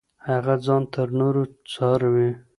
هغه ځان تر نورو ځاروي.